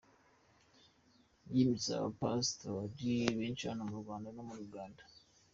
Yimitse abapasitori benshi ba hano mu Rwanda no muri Uganda.